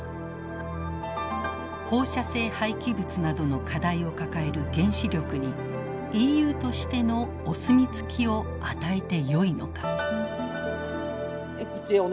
放射性廃棄物などの課題を抱える原子力にＥＵとしてのお墨付きを与えてよいのか。